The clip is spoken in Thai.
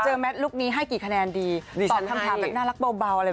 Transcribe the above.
แมทลูกนี้ให้กี่คะแนนดีตอบคำถามแบบน่ารักเบาอะไร